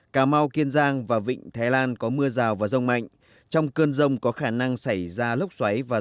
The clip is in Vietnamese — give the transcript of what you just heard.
cà mau kiên giang và vịnh thái lan có mưa rào và rông mạnh trong cơn rông có khả năng xảy ra lốc xoáy